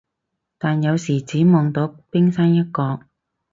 但有時只望得到冰山一角